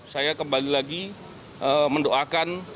saya kembali lagi mendoakan